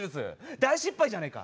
大失敗じゃねえか。